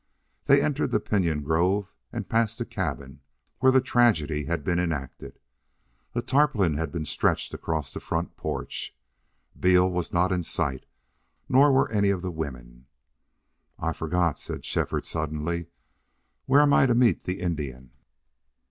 They entered the pinyon grove and passed the cabin where the tragedy had been enacted. A tarpaulin had been stretched across the front porch. Beal was not in sight, nor were any of the women. "I forgot," said Shefford, suddenly. "Where am I to meet the Indian?"